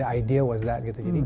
jadi ide itu